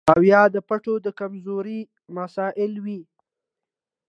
او يا د پټو د کمزورۍ مسئله وي